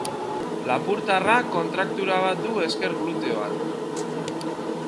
Lapurtarra kontraktura bat du ezker gluteoan.